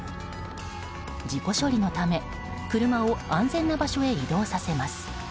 事故処理のため車を安全な場所に移動させます。